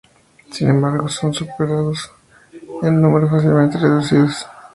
Sin embargo son superados en número y fácilmente reducidos.